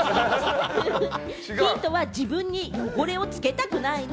ヒントはね、自分にホコリをつけたくないの。